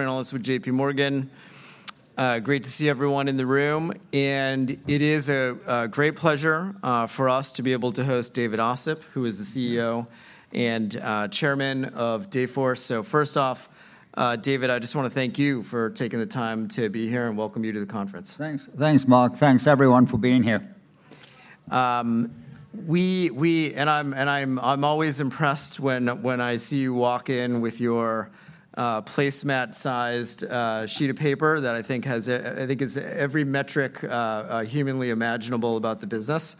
Analyst with J.P. Morgan. Great to see everyone in the room, and it is a great pleasure for us to be able to host David Ossip, who is the CEO and Chairman of Dayforce. So first off, David, I just want to thank you for taking the time to be here, and welcome you to the conference. Thanks. Thanks, Mark. Thanks, everyone, for being here. And I'm always impressed when I see you walk in with your placemat-sized sheet of paper that I think has I think is every metric humanly imaginable about the business.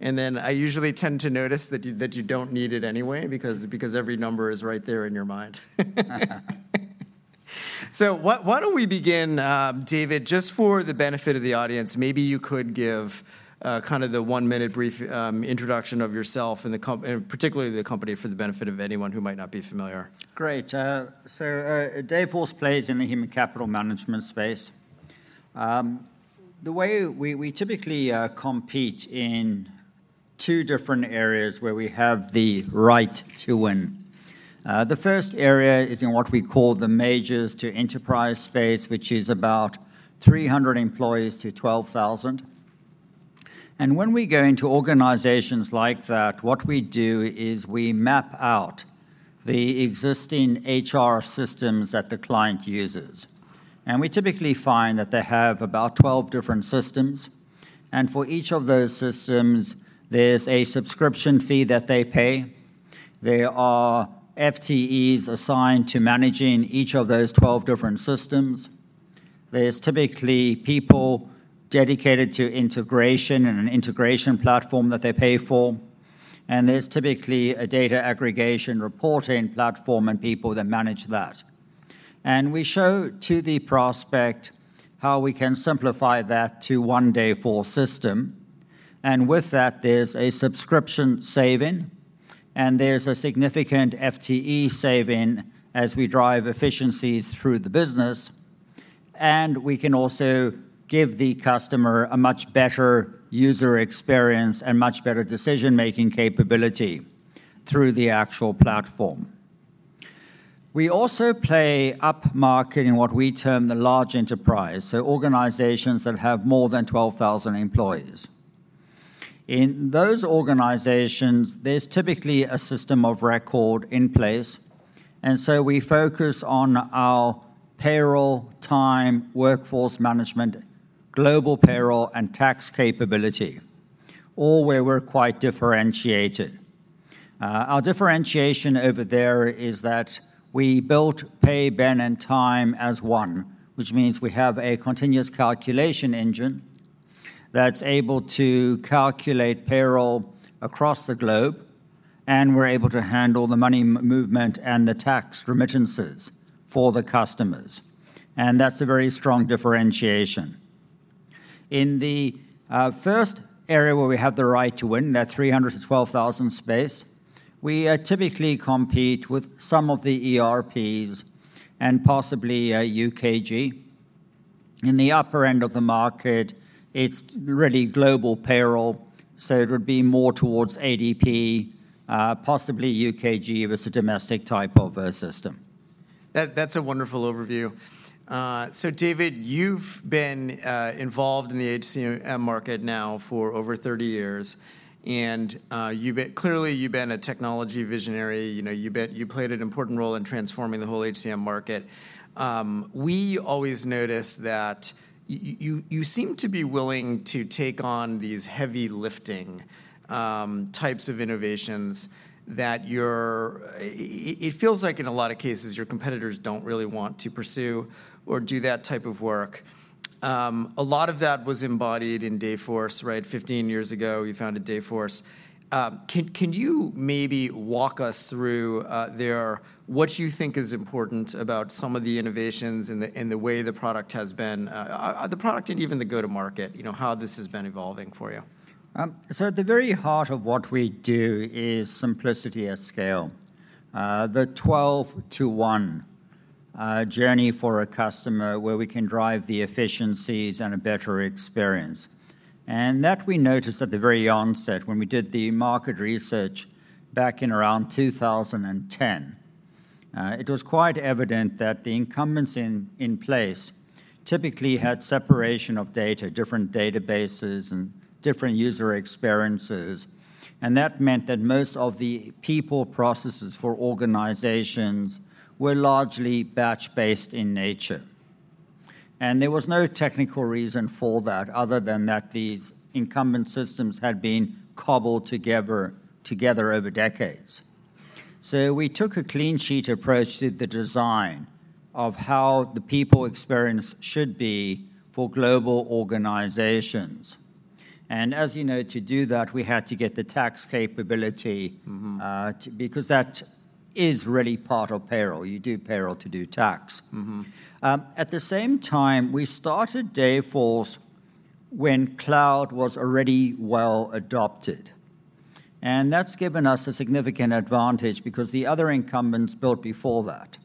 And then I usually tend to notice that you don't need it anyway, because every number is right there in your mind. So why don't we begin, David, just for the benefit of the audience. Maybe you could give kind of the one-minute brief introduction of yourself and particularly the company, for the benefit of anyone who might not be familiar. Great. So, Dayforce plays in the human capital management space. The way we typically compete in two different areas where we have the right to win. The first area is in what we call the majors to enterprise space, which is about 300 employees to 12,000. When we go into organizations like that, what we do is we map out the existing HR systems that the client uses. We typically find that they have about 12 different systems, and for each of those systems, there's a subscription fee that they pay. There are FTEs assigned to managing each of those 12 different systems. There's typically people dedicated to integration and an integration platform that they pay for. There's typically a data aggregation reporting platform and people that manage that. We show to the prospect how we can simplify that to one Dayforce system, and with that, there's a subscription saving, and there's a significant FTE saving as we drive efficiencies through the business. We can also give the customer a much better user experience and much better decision-making capability through the actual platform. We also play upmarket in what we term the large enterprise, so organizations that have more than 12,000 employees. In those organizations, there's typically a system of record in place, and so we focus on our payroll, time, workforce management, global payroll, and tax capability, all where we're quite differentiated. Our differentiation over there is that we built pay, ben, and time as one, which means we have a continuous calculation engine that's able to calculate payroll across the globe, and we're able to handle the money movement and the tax remittances for the customers. That's a very strong differentiation. In the first area where we have the right to win, that 300-12,000 space, we typically compete with some of the ERPs and possibly UKG. In the upper end of the market, it's really global payroll, so it would be more towards ADP, possibly UKG if it's a domestic type of system. That, that's a wonderful overview. So David, you've been involved in the HCM market now for over 30 years, and you've been, clearly, you've been a technology visionary. You know, you've been. You played an important role in transforming the whole HCM market. We always notice that you seem to be willing to take on these heavy-lifting types of innovations that it feels like in a lot of cases, your competitors don't really want to pursue or do that type of work. A lot of that was embodied in Dayforce, right? 15 years ago, you founded Dayforce. Can you maybe walk us through what you think is important about some of the innovations and the, and the way the product has been the product and even the go-to-market, you know, how this has been evolving for you? So at the very heart of what we do is simplicity at scale. The 12-to-1 journey for a customer where we can drive the efficiencies and a better experience. And that we noticed at the very onset when we did the market research back in around 2010. It was quite evident that the incumbents in place typically had separation of data, different databases and different user experiences, and that meant that most of the people processes for organizations were largely batch-based in nature. And there was no technical reason for that other than that these incumbent systems had been cobbled together over decades. So we took a clean sheet approach to the design of how the people experience should be for global organizations. And as you know, to do that, we had to get the tax capability- Mm-hmm... because that is really part of payroll. You do payroll to do tax. Mm-hmm. At the same time, we started Dayforce when cloud was already well adopted, and that's given us a significant advantage because the other incumbents built before that.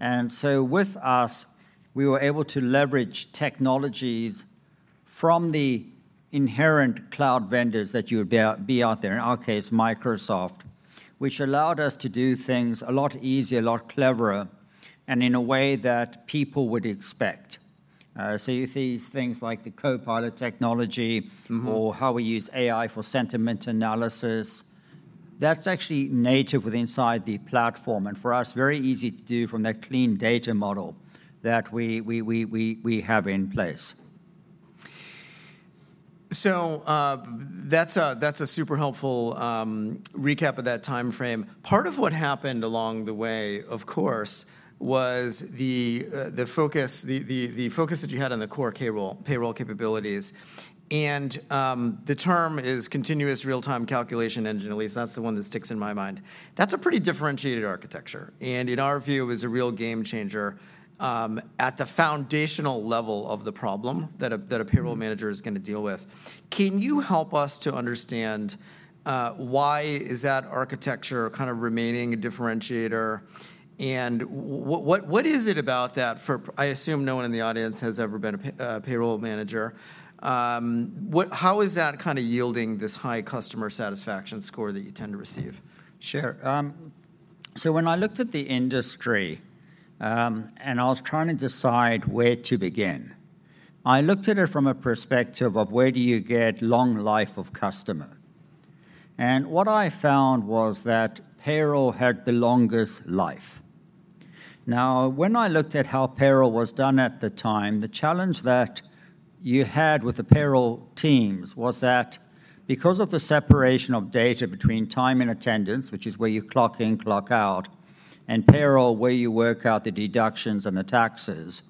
And so with us, we were able to leverage technologies from the inherent cloud vendors that you would be out there, in our case, Microsoft, which allowed us to do things a lot easier, a lot cleverer, and in a way that people would expect. So you see things like the Copilot technology- Mm-hmm. or how we use AI for sentiment analysis. That's actually native within the platform, and for us, very easy to do from that clean data model that we have in place. So, that's a super helpful recap of that timeframe. Part of what happened along the way, of course, was the focus that you had on the core payroll capabilities. And, the term is continuous real-time calculation engine, at least that's the one that sticks in my mind. That's a pretty differentiated architecture, and in our view, is a real game changer at the foundational level of the problem that a- Mm-hmm... payroll manager is going to deal with. Can you help us to understand why is that architecture kind of remaining a differentiator? And what is it about that for... I assume no one in the audience has ever been a payroll manager. What, how is that kind of yielding this high customer satisfaction score that you tend to receive? Sure. So when I looked at the industry, and I was trying to decide where to begin, I looked at it from a perspective of: where do you get long life of customer? And what I found was that payroll had the longest life. Now, when I looked at how payroll was done at the time, the challenge that you had with the payroll teams was that because of the separation of data between time and attendance, which is where you clock in, clock out, and payroll, where you work out the deductions and the taxes,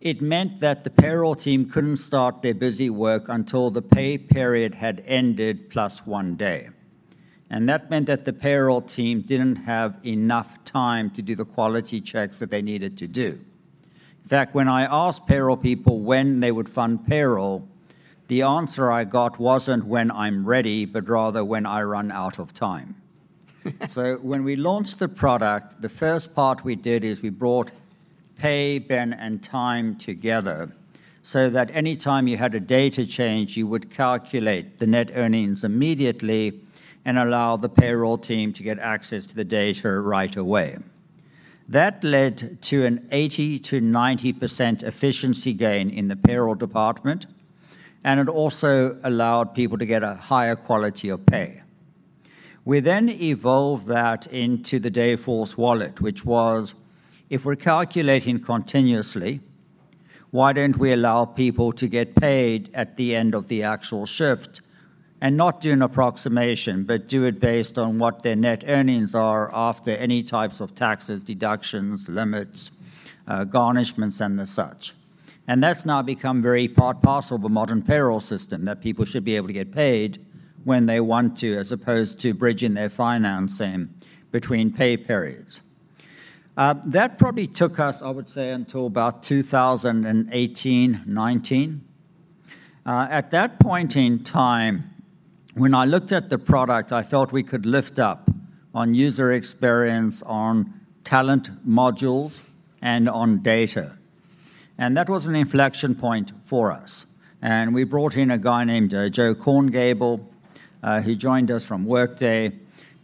it meant that the payroll team couldn't start their busy work until the pay period had ended, plus one day. And that meant that the payroll team didn't have enough time to do the quality checks that they needed to do. In fact, when I asked payroll people when they would fund payroll, the answer I got wasn't, "When I'm ready," but rather, "When I run out of time." So when we launched the product, the first part we did is we brought pay, ben, and time together, so that any time you had a data change, you would calculate the net earnings immediately and allow the payroll team to get access to the data right away. That led to an 80%-90% efficiency gain in the payroll department, and it also allowed people to get a higher quality of pay. We then evolved that into the Dayforce Wallet, which was, if we're calculating continuously, why don't we allow people to get paid at the end of the actual shift, and not do an approximation, but do it based on what their net earnings are after any types of taxes, deductions, limits, garnishments, and the such? And that's now become very part and parcel of a modern payroll system, that people should be able to get paid when they want to, as opposed to bridging their financing between pay periods. That probably took us, I would say, until about 2018, 2019. At that point in time, when I looked at the product, I felt we could lift up on user experience, on talent modules, and on data. And that was an inflection point for us, and we brought in a guy named Joe Korngiebel. He joined us from Workday,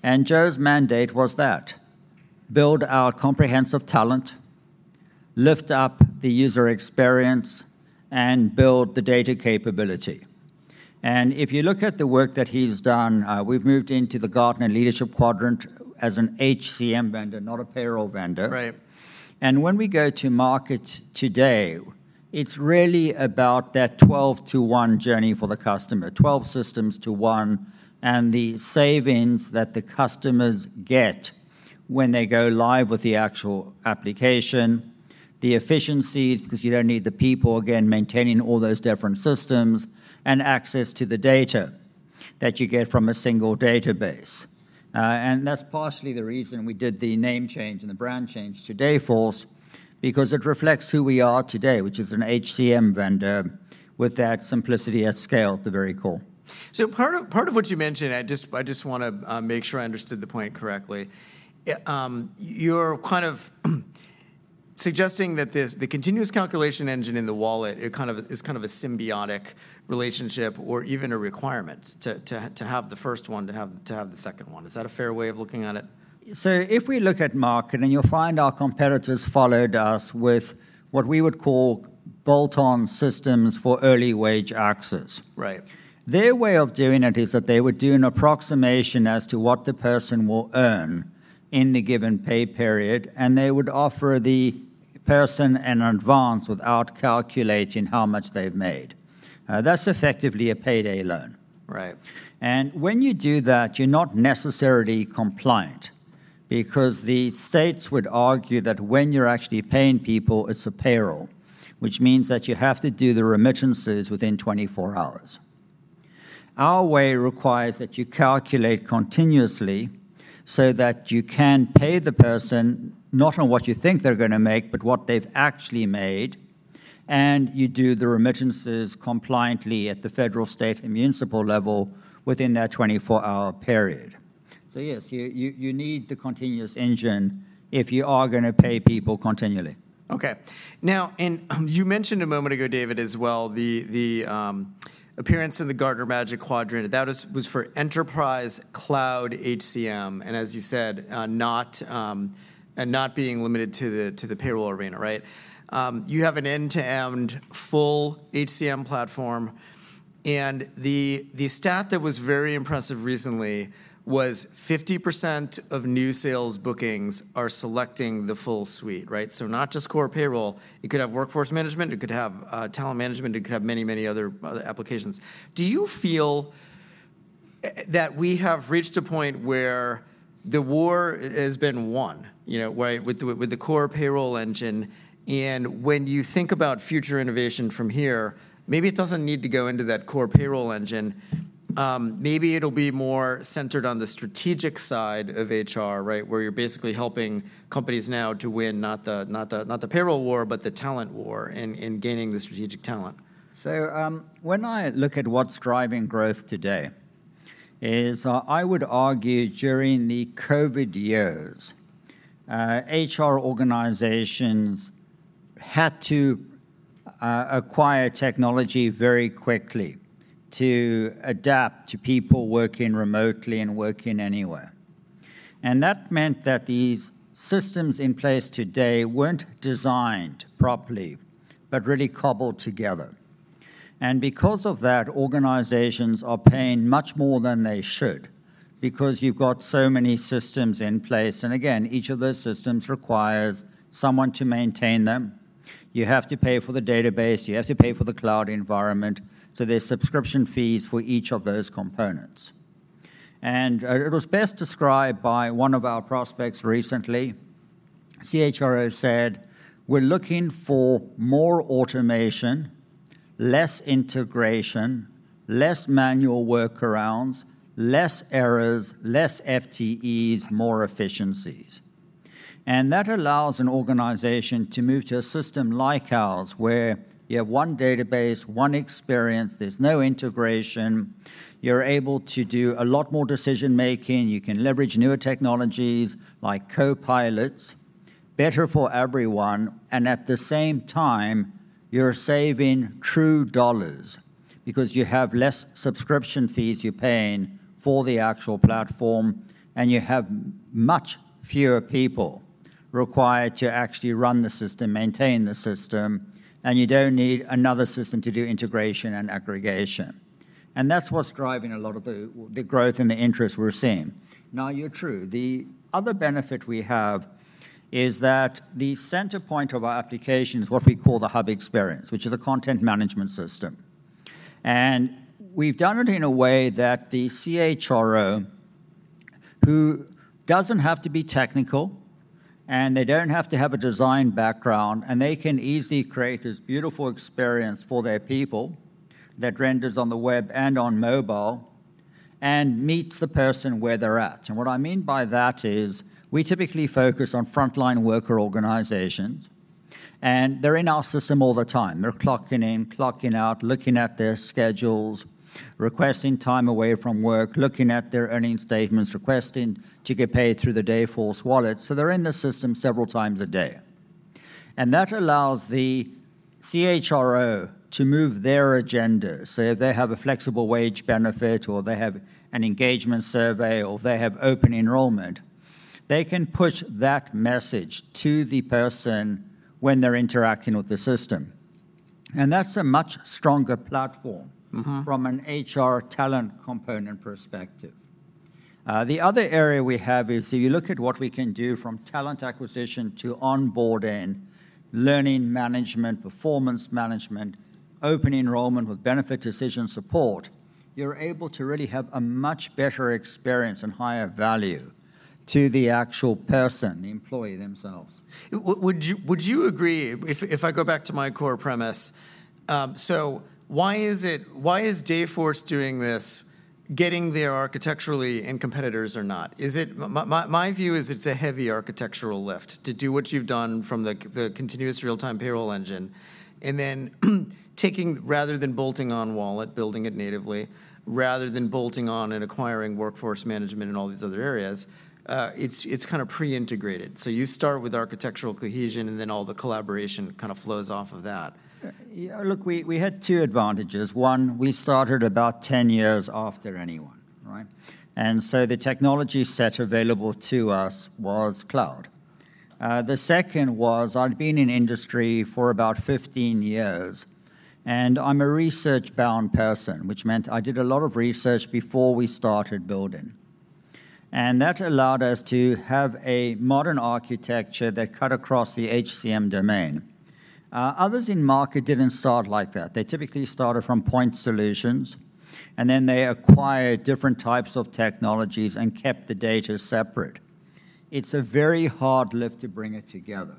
and Joe's mandate was that: build our comprehensive talent, lift up the user experience, and build the data capability. If you look at the work that he's done, we've moved into the Gartner Leadership Quadrant as an HCM vendor, not a payroll vendor. Right. When we go to market today, it's really about that 12-to-one journey for the customer, 12 systems to one, and the savings that the customers get when they go live with the actual application, the efficiencies, because you don't need the people, again, maintaining all those different systems, and access to the data that you get from a single database. That's partially the reason we did the name change and the brand change to Dayforce, because it reflects who we are today, which is an HCM vendor with that simplicity at scale at the very core. So part of, part of what you mentioned, I just, I just want to, make sure I understood the point correctly. You're kind of suggesting that this, the continuous calculation engine in the Wallet, it kind of, is kind of a symbiotic relationship or even a requirement to, to, to have the first one, to have, to have the second one. Is that a fair way of looking at it? If we look at market, and you'll find our competitors followed us with what we would call bolt-on systems for early wage access. Right. Their way of doing it is that they would do an approximation as to what the person will earn in the given pay period, and they would offer the person an advance without calculating how much they've made. That's effectively a payday loan. Right. When you do that, you're not necessarily compliant because the states would argue that when you're actually paying people, it's a payroll, which means that you have to do the remittances within 24 hours. Our way requires that you calculate continuously so that you can pay the person, not on what you think they're going to make, but what they've actually made, and you do the remittances compliantly at the federal, state, and municipal level within that 24-hour period. So yes, you need the continuous engine if you are going to pay people continually. Okay. Now, you mentioned a moment ago, David, as well, the appearance in the Gartner Magic Quadrant. That was for enterprise cloud HCM, and as you said, not and not being limited to the payroll arena, right? You have an end-to-end full HCM platform, and the stat that was very impressive recently was 50% of new sales bookings are selecting the full suite, right? So not just core payroll. It could have workforce management, it could have talent management, it could have many other applications. Do you feel that we have reached a point where the war has been won? You know, where with the core payroll engine, and when you think about future innovation from here, maybe it doesn't need to go into that core payroll engine. Maybe it'll be more centered on the strategic side of HR, right? Where you're basically helping companies now to win not the payroll war, but the talent war in gaining the strategic talent. So, when I look at what's driving growth today, is, I would argue during the COVID years, HR organizations had to acquire technology very quickly to adapt to people working remotely and working anywhere. And that meant that the systems in place today weren't designed properly, but really cobbled together. And because of that, organizations are paying much more than they should, because you've got so many systems in place, and again, each of those systems requires someone to maintain them. You have to pay for the database, you have to pay for the cloud environment, so there's subscription fees for each of those components. And, it was best described by one of our prospects recently. CHRO said, "We're looking for more automation, less integration, less manual workarounds, less errors, less FTEs, more efficiencies." And that allows an organization to move to a system like ours, where you have one database, one experience, there's no integration, you're able to do a lot more decision-making, you can leverage newer technologies like Copilots, better for everyone, and at the same time, you're saving true dollars because you have less subscription fees you're paying for the actual platform, and you have much fewer people required to actually run the system, maintain the system, and you don't need another system to do integration and aggregation. And that's what's driving a lot of the growth and the interest we're seeing. Now, you're true. The other benefit we have is that the center point of our application is what we call the Hub Experience, which is a content management system. And we've done it in a way that the CHRO, who doesn't have to be technical, and they don't have to have a design background, and they can easily create this beautiful experience for their people that renders on the web and on mobile and meets the person where they're at. And what I mean by that is, we typically focus on frontline worker organizations, and they're in our system all the time. They're clocking in, clocking out, looking at their schedules, requesting time away from work, looking at their earning statements, requesting to get paid through the Dayforce Wallet. So they're in the system several times a day. And that allows the CHRO to move their agenda. Say, if they have a flexible wage benefit, or they have an engagement survey, or they have open enrollment, they can push that message to the person when they're interacting with the system. That's a much stronger platform... Mm-hmm ... from an HR talent component perspective. The other area we have is, if you look at what we can do from talent acquisition to onboarding, learning management, performance management, open enrollment with benefit decision support, you're able to really have a much better experience and higher value to the actual person, the employee themselves. Would you agree, if I go back to my core premise, so why is it, why is Dayforce doing this, getting there architecturally, and competitors are not? Is it... My view is it's a heavy architectural lift to do what you've done from the continuous real-time payroll engine, and then, taking rather than bolting on wallet, building it natively, rather than bolting on and acquiring workforce management in all these other areas, it's kind of pre-integrated. So you start with architectural cohesion, and then all the collaboration kind of flows off of that. Yeah, look, we had two advantages. One, we started about 10 years after anyone, right? And so the technology set available to us was cloud. The second was, I'd been in industry for about 15 years, and I'm a research-bound person, which meant I did a lot of research before we started building. And that allowed us to have a modern architecture that cut across the HCM domain. Others in market didn't start like that. They typically started from point solutions, and then they acquired different types of technologies and kept the data separate. It's a very hard lift to bring it together.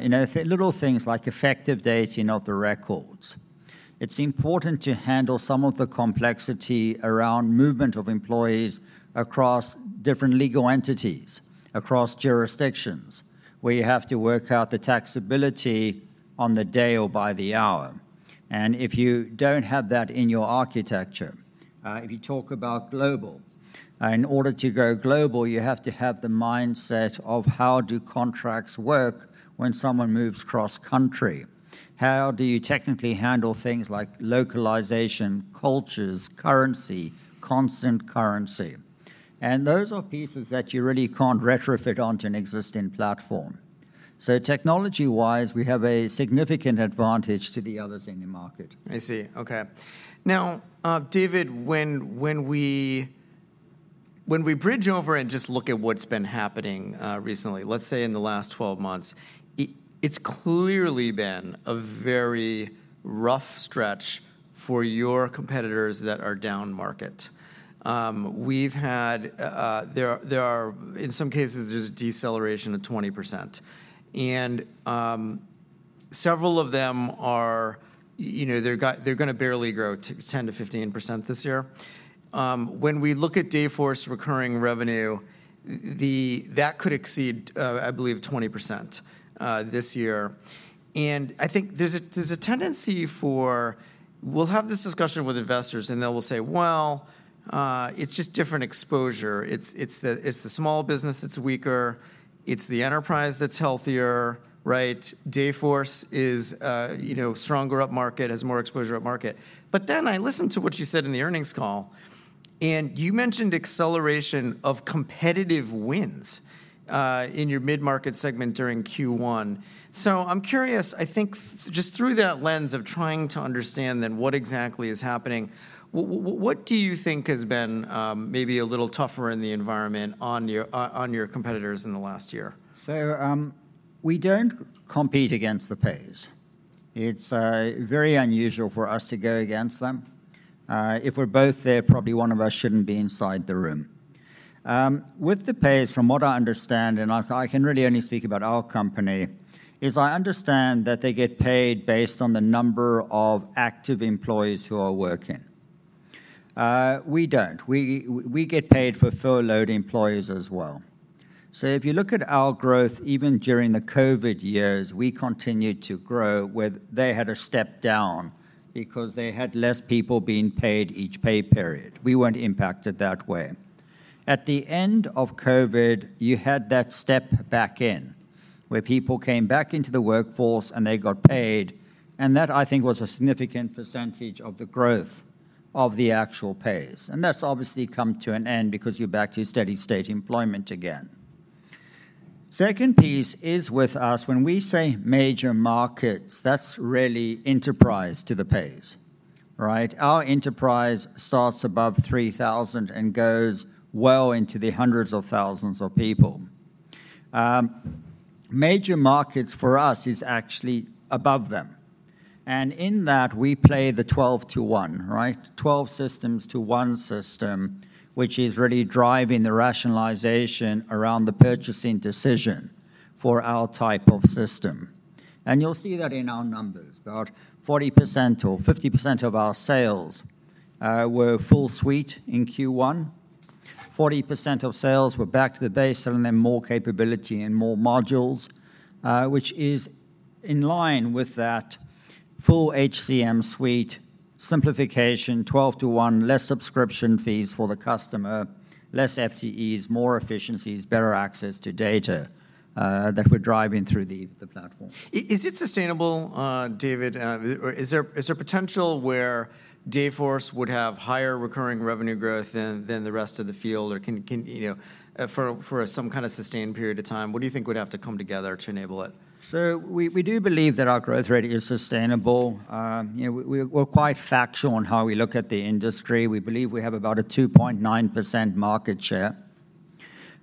You know, little things like effective dating of the records. It's important to handle some of the complexity around movement of employees across different legal entities, across jurisdictions, where you have to work out the taxability on the day or by the hour... and if you don't have that in your architecture, if you talk about global, in order to go global, you have to have the mindset of how do contracts work when someone moves cross-country? How do you technically handle things like localization, cultures, currency, constant currency? And those are pieces that you really can't retrofit onto an existing platform. So technology-wise, we have a significant advantage to the others in the market. I see. Okay. Now, David, when we bridge over and just look at what's been happening recently, let's say in the last 12 months, it's clearly been a very rough stretch for your competitors that are downmarket. We've had... In some cases, there's a deceleration of 20%, and several of them are, you know, they're gonna barely grow 10%-15% this year. When we look at Dayforce recurring revenue, that could exceed, I believe, 20%, this year. And I think there's a tendency for... We'll have this discussion with investors, and they will say, "Well, it's just different exposure. It's the small business that's weaker. It's the enterprise that's healthier," right? Dayforce is, you know, stronger upmarket, has more exposure upmarket. But then I listened to what you said in the earnings call, and you mentioned acceleration of competitive wins in your mid-market segment during Q1. So I'm curious, I think, just through that lens of trying to understand then what exactly is happening, what do you think has been, maybe a little tougher in the environment on your, on your competitors in the last year? So, we don't compete against the PEOs. It's very unusual for us to go against them. If we're both there, probably one of us shouldn't be inside the room. With the PEOs, from what I understand, and I can really only speak about our company, is I understand that they get paid based on the number of active employees who are working. We don't. We get paid for FTEs as well. So if you look at our growth, even during the COVID years, we continued to grow, where they had to step down because they had less people being paid each pay period. We weren't impacted that way. At the end of COVID, you had that step back in, where people came back into the workforce, and they got paid, and that, I think, was a significant percentage of the growth of the actual pays. And that's obviously come to an end because you're back to steady state employment again. Second piece is with us, when we say major markets, that's really enterprise to the pays, right? Our enterprise starts above 3,000 and goes well into the hundreds of thousands of people. Major markets for us is actually above them, and in that, we play the 12-to-one, right? 12 systems to one system, which is really driving the rationalization around the purchasing decision for our type of system. And you'll see that in our numbers. About 40% or 50% of our sales were full suite in Q1. 40% of sales were back to the base, selling them more capability and more modules, which is in line with that full HCM suite simplification, 12-to-one, less subscription fees for the customer, less FTEs, more efficiencies, better access to data, that we're driving through the platform. Is it sustainable, David, or is there potential where Dayforce would have higher recurring revenue growth than the rest of the field? Or can you know for some kind of sustained period of time, what do you think would have to come together to enable it? So we do believe that our growth rate is sustainable. You know, we're quite factual on how we look at the industry. We believe we have about a 2.9% market share.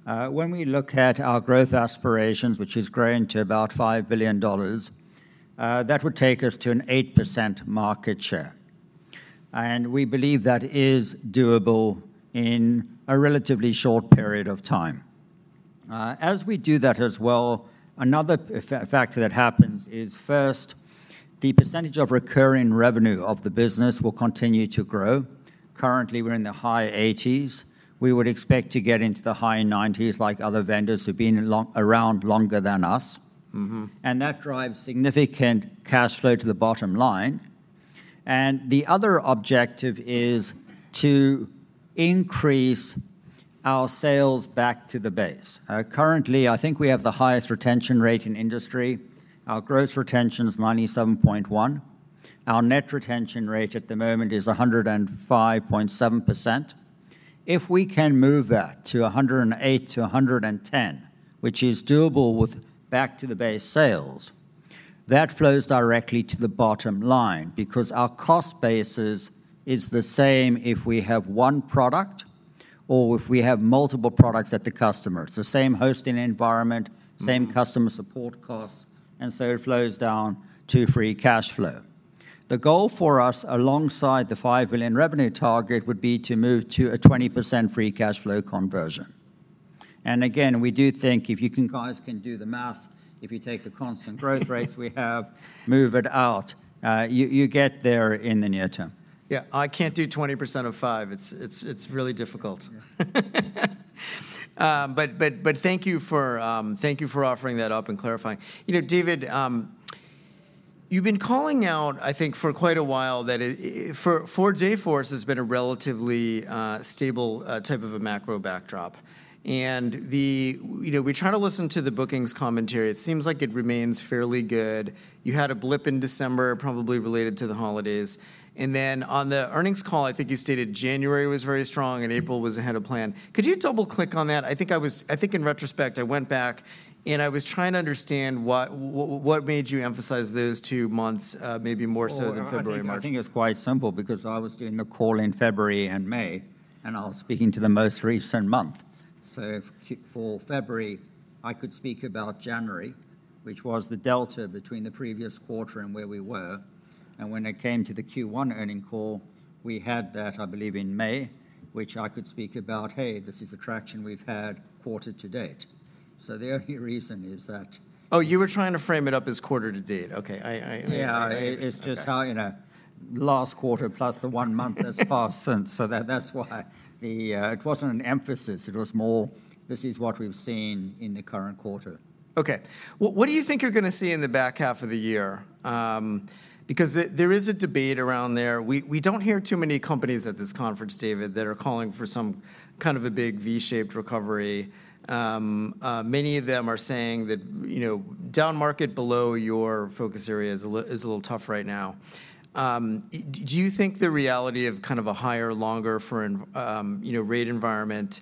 When we look at our growth aspirations, which is growing to about $5 billion, that would take us to an 8% market share, and we believe that is doable in a relatively short period of time. As we do that as well, another fact that happens is, first, the percentage of recurring revenue of the business will continue to grow. Currently, we're in the high 80s%. We would expect to get into the high 90s%, like other vendors who've been around longer than us. Mm-hmm. And that drives significant cash flow to the bottom line, and the other objective is to increase our sales back to the base. Currently, I think we have the highest retention rate in industry. Our gross retention is 97.1%. Our net retention rate at the moment is 105.7%. If we can move that to 108%-110%, which is doable with back-to-the-base sales, that flows directly to the bottom line because our cost bases is the same if we have one product or if we have multiple products at the customer. It's the same hosting environment- Mm... same customer support costs, and so it flows down to free cash flow. The goal for us, alongside the $5 billion revenue target, would be to move to a 20% free cash flow conversion. And again, we do think if you guys can do the math, if you take the constant growth rates we have, move it out, you get there in the near term. Yeah, I can't do 20% of five. It's really difficult. But thank you for offering that up and clarifying. You know, David, you've been calling out, I think, for quite a while, that for Dayforce has been a relatively stable type of a macro backdrop. And you know, we try to listen to the bookings commentary. It seems like it remains fairly good. You had a blip in December, probably related to the holidays, and then on the earnings call, I think you stated January was very strong and April was ahead of plan. Could you double-click on that? I think in retrospect, I went back, and I was trying to understand what made you emphasize those two months, maybe more so than February and March? Oh, I think it's quite simple because I was doing the call in February and May, and I was speaking to the most recent month. So for February, I could speak about January, which was the delta between the previous quarter and where we were, and when it came to the Q1 earnings call, we had that, I believe, in May, which I could speak about, "Hey, this is the traction we've had quarter to date." So the only reason is that- Oh, you were trying to frame it up as quarter to date. Okay. I Yeah... understand. Okay. It's just how, you know, last quarter plus the one month that's passed since. So that, that's why. It wasn't an emphasis, it was more, "This is what we've seen in the current quarter. Okay. Well, what do you think you're going to see in the back half of the year? Because there is a debate around there. We don't hear too many companies at this conference, David, that are calling for some kind of a big V-shaped recovery. Many of them are saying that, you know, downmarket below your focus area is a little tough right now. Do you think the reality of kind of a higher for longer rate environment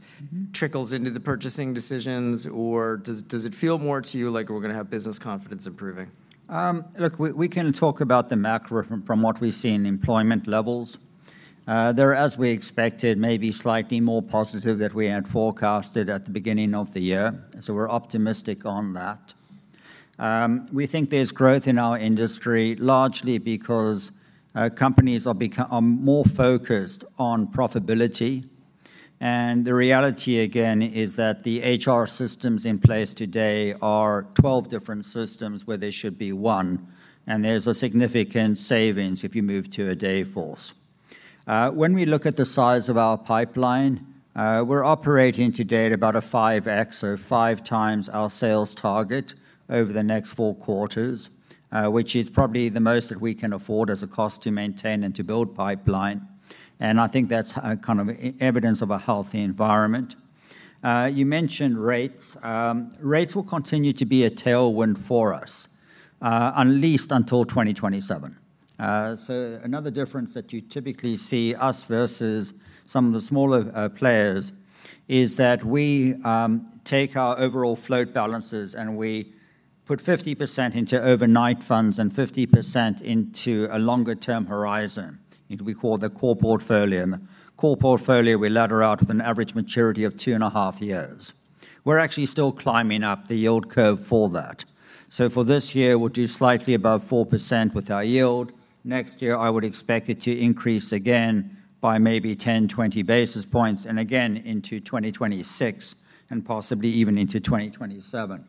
trickles into the purchasing decisions, or does it feel more to you like we're going to have business confidence improving? Look, we can talk about the macro from what we see in employment levels. They're, as we expected, maybe slightly more positive than we had forecasted at the beginning of the year, so we're optimistic on that. We think there's growth in our industry, largely because companies are more focused on profitability. The reality, again, is that the HR systems in place today are 12 different systems, where there should be one, and there's a significant savings if you move to a Dayforce. When we look at the size of our pipeline, we're operating to date about a 5x, so five times our sales target over the next four quarters, which is probably the most that we can afford as a cost to maintain and to build pipeline, and I think that's kind of evidence of a healthy environment. You mentioned rates. Rates will continue to be a tailwind for us, at least until 2027. So another difference that you typically see us versus some of the smaller players, is that we take our overall float balances, and we put 50% into overnight funds and 50% into a longer-term horizon, into what we call the core portfolio. In the core portfolio, we ladder out with an average maturity of two and a half years. We're actually still climbing up the yield curve for that. So for this year, we'll do slightly above 4% with our yield. Next year, I would expect it to increase again by maybe 10-20 basis points, and again into 2026, and possibly even into 2027.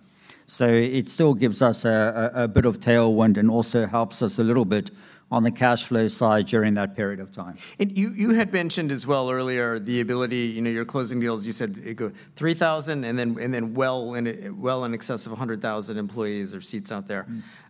So it still gives us a bit of tailwind and also helps us a little bit on the cash flow side during that period of time. You had mentioned as well earlier the ability, you know, you're closing deals. You said it go 3,000, and then well in excess of 100,000 employees or seats out there.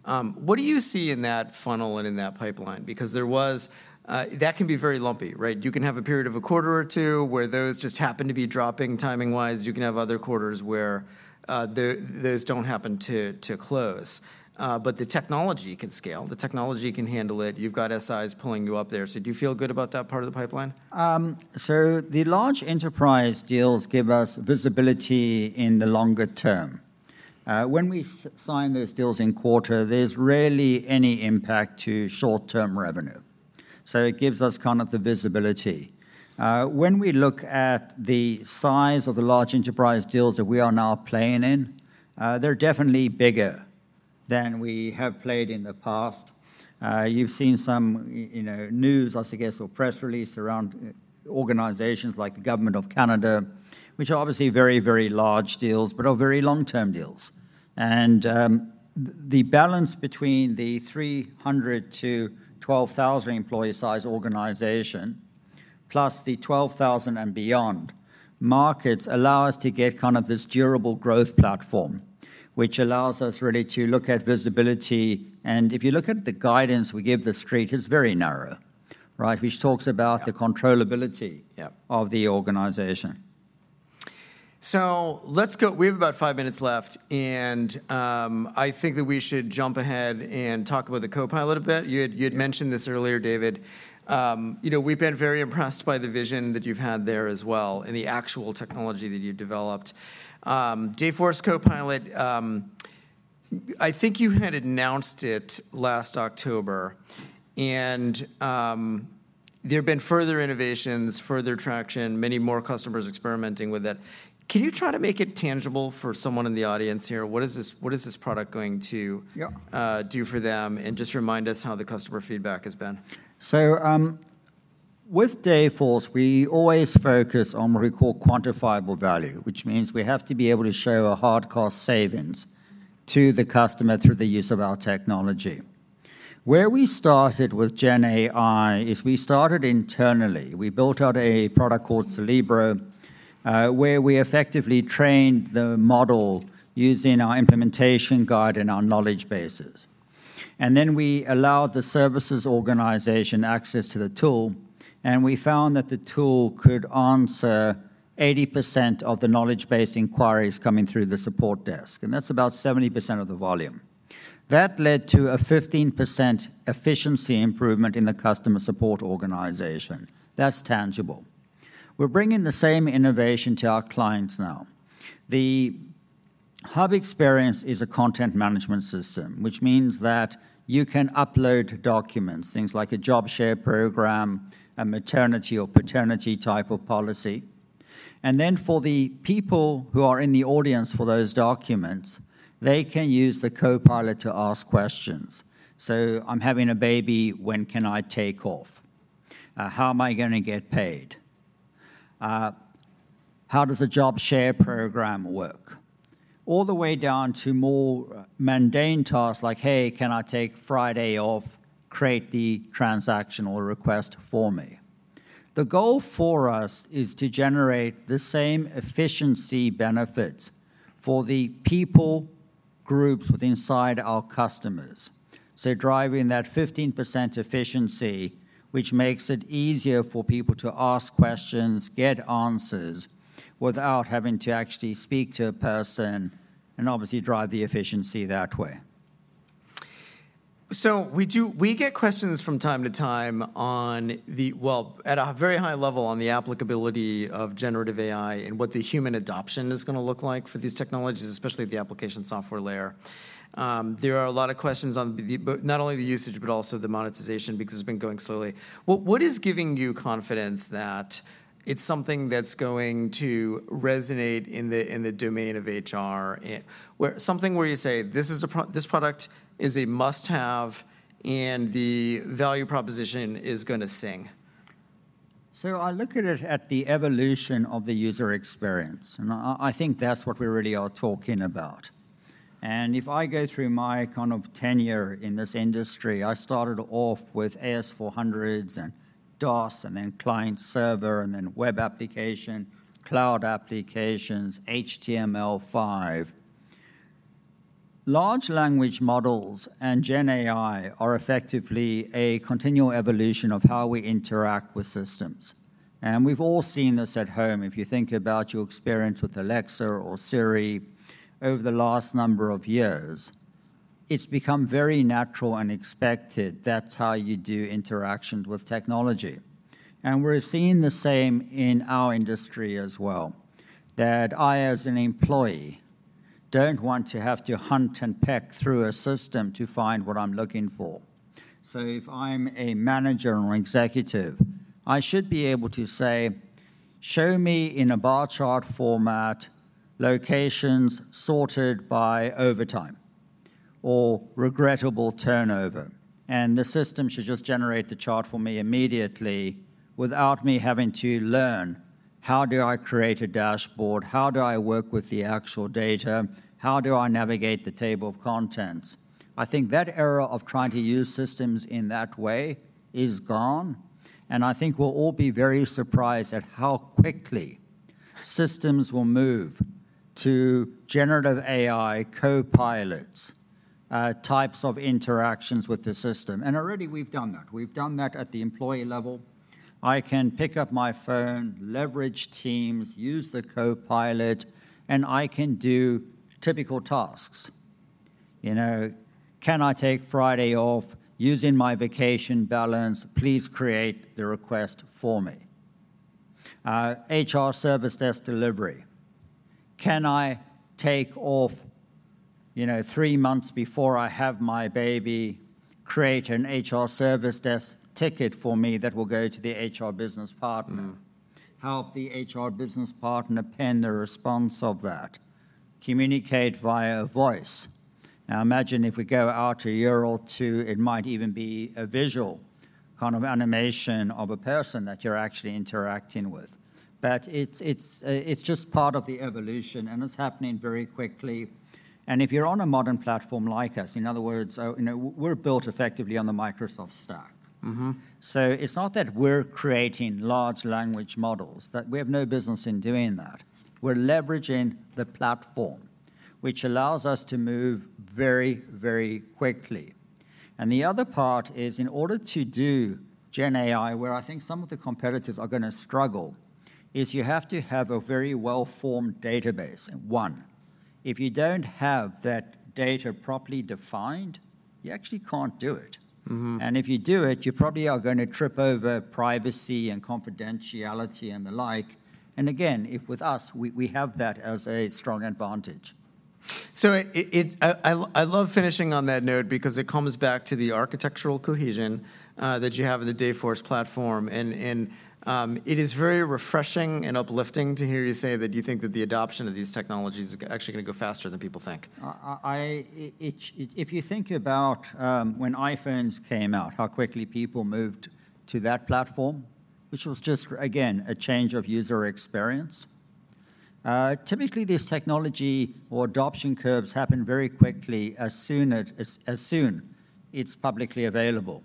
Mm-hmm. What do you see in that funnel and in that pipeline? Because there was. That can be very lumpy, right? You can have a period of a quarter or two where those just happen to be dropping timing-wise. You can have other quarters where those don't happen to close. But the technology can scale. The technology can handle it. You've got SIs pulling you up there. So do you feel good about that part of the pipeline? So the large enterprise deals give us visibility in the longer term. When we sign those deals in quarter, there's rarely any impact to short-term revenue, so it gives us kind of the visibility. When we look at the size of the large enterprise deals that we are now playing in, they're definitely bigger than we have played in the past. You've seen some, you know, news, I guess, or press release around organizations like the Government of Canada, which are obviously very, very large deals, but are very long-term deals. And the balance between the 300-12,000 employee size organization, plus the 12,000 and beyond, markets allow us to get kind of this durable growth platform, which allows us really to look at visibility. If you look at the guidance we give the street, it's very narrow, right? Which talks about- Yeah... the controllability- Yeah... of the organization. So let's go... We have about five minutes left, and I think that we should jump ahead and talk about the Copilot a bit. You had- Yeah... you had mentioned this earlier, David. You know, we've been very impressed by the vision that you've had there as well and the actual technology that you've developed. Dayforce Copilot, I think you had announced it last October, and there have been further innovations, further traction, many more customers experimenting with it. Can you try to make it tangible for someone in the audience here? What is this, what is this product going to- Yeah... do for them? And just remind us how the customer feedback has been. So, with Dayforce, we always focus on what we call quantifiable value, which means we have to be able to show a hard cost savings to the customer through the use of our technology. Where we started with Gen AI is we started internally. We built out a product called Cerebro, where we effectively trained the model using our implementation guide and our knowledge bases. And then we allowed the services organization access to the tool, and we found that the tool could answer 80% of the knowledge-based inquiries coming through the support desk, and that's about 70% of the volume. That led to a 15% efficiency improvement in the customer support organization. That's tangible. We're bringing the same innovation to our clients now. The Hub Experience is a content management system, which means that you can upload documents, things like a job share program, a maternity or paternity type of policy. And then for the people who are in the audience for those documents, they can use the Copilot to ask questions. So, "I'm having a baby. When can I take off? How am I gonna get paid? How does a job share program work?" All the way down to more mundane tasks like, "Hey, can I take Friday off? Create the transactional request for me." The goal for us is to generate the same efficiency benefits for the people, groups inside our customers. So driving that 15% efficiency, which makes it easier for people to ask questions, get answers, without having to actually speak to a person, and obviously drive the efficiency that way. So we get questions from time to time on the... Well, at a very high level, on the applicability of generative AI and what the human adoption is gonna look like for these technologies, especially at the application software layer. There are a lot of questions on the both, not only the usage, but also the monetization, because it's been going slowly. What is giving you confidence that it's something that's going to resonate in the domain of HR, and where... Something where you say, "This is a pro- this product is a must-have, and the value proposition is gonna sing"? So I look at it at the evolution of the user experience, and I, I think that's what we really are talking about. If I go through my kind of tenure in this industry, I started off with AS/400s and DOS, and then client server, and then web application, cloud applications, HTML5. Large language models and Gen AI are effectively a continual evolution of how we interact with systems, and we've all seen this at home. If you think about your experience with Alexa or Siri over the last number of years, it's become very natural and expected. That's how you do interactions with technology. We're seeing the same in our industry as well, that I, as an employee, don't want to have to hunt and peck through a system to find what I'm looking for. So if I'm a manager or executive, I should be able to say, "Show me, in a bar chart format, locations sorted by overtime or regrettable turnover," and the system should just generate the chart for me immediately without me having to learn, how do I create a dashboard? How do I work with the actual data? How do I navigate the table of contents? I think that era of trying to use systems in that way is gone, and I think we'll all be very surprised at how quickly systems will move to generative AI copilots, types of interactions with the system. And already we've done that. We've done that at the employee level. I can pick up my phone, leverage Teams, use the copilot, and I can do typical tasks. You know, "Can I take Friday off using my vacation balance? Please create the request for me." HR service desk delivery. "Can I take off, you know, three months before I have my baby? Create an HR service desk ticket for me that will go to the HR business partner. Mm. Help the HR business partner pen the response of that." Communicate via voice. Now, imagine if we go out a year or two, it might even be a visual kind of animation of a person that you're actually interacting with. But it's just part of the evolution, and it's happening very quickly. And if you're on a modern platform like us, in other words, you know, we're built effectively on the Microsoft stack. Mm-hmm. So it's not that we're creating large language models, that we have no business in doing that. We're leveraging the platform, which allows us to move very, very quickly. And the other part is, in order to do Gen AI, where I think some of the competitors are gonna struggle, is you have to have a very well-formed database, one. If you don't have that data properly defined, you actually can't do it. Mm-hmm. If you do it, you probably are gonna trip over privacy and confidentiality, and the like. And again, if with us, we have that as a strong advantage. So I love finishing on that note because it comes back to the architectural cohesion that you have in the Dayforce platform, and it is very refreshing and uplifting to hear you say that you think that the adoption of these technologies is actually gonna go faster than people think. If you think about when iPhones came out, how quickly people moved to that platform, which was just, again, a change of user experience, typically, these technology or adoption curves happen very quickly, as soon as it's publicly available.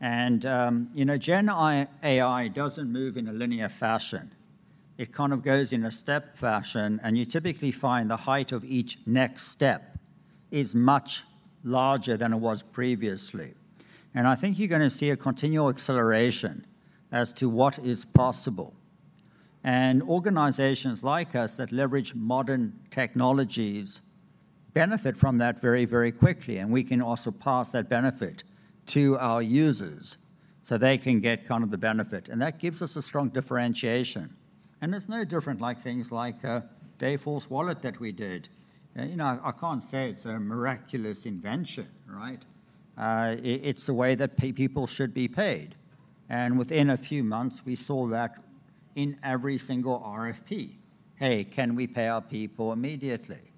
And you know, Gen AI doesn't move in a linear fashion. It kind of goes in a step fashion, and you typically find the height of each next step is much larger than it was previously. And I think you're gonna see a continual acceleration as to what is possible. And organizations like us that leverage modern technologies benefit from that very, very quickly, and we can also pass that benefit to our users, so they can get kind of the benefit, and that gives us a strong differentiation. It's no different, like things like Dayforce Wallet that we did. You know, I can't say it's a miraculous invention, right? It's the way that people should be paid, and within a few months, we saw that in every single RFP. "Hey, can we pay our people immediately?"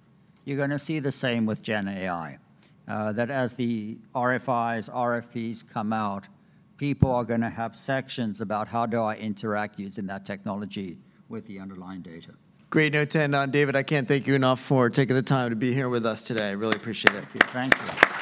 You're gonna see the same with Gen AI, that as the RFIs, RFPs come out, people are gonna have sections about, how do I interact using that technology with the underlying data? Great note to end on. David, I can't thank you enough for taking the time to be here with us today. I really appreciate it. Thank you.